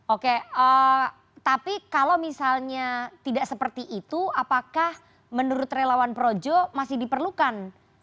oke tapi kalau misalnya tidak seperti itu apakah menurut relawan projo masih diperlukan